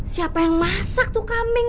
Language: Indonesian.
siapa yang masak tuh kambing